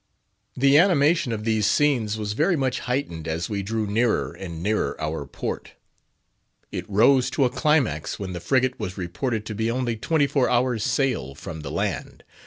The animation of these scenes was very much heightened as we drew nearer and nearer our port; it rose to a climax when the frigate was reported to be only twenty four hours' sail from the land.